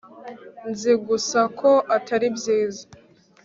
nzi gusa ko atari byiza